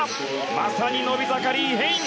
まさに伸び盛り、イ・ヘイン！